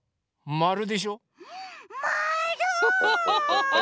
まる！